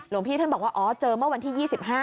พี่ท่านบอกว่าอ๋อเจอเมื่อวันที่๒๕